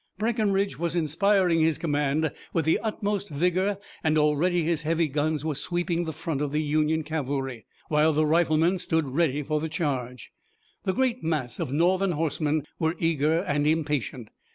Breckinridge was inspiring his command with the utmost vigor and already his heavy guns were sweeping the front of the Union cavalry, while the riflemen stood ready for the charge. The great mass of Northern horsemen were eager and impatient.